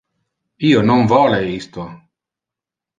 Io non vole isto.